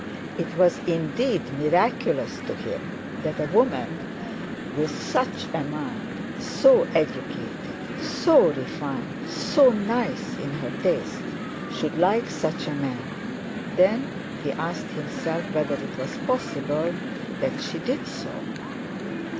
It was indeed miraculous to him, that a woman with such a mind, so educated, so refined, so nice in her tastes, should like such a man. Then he asked himself whether it was possible that she did so.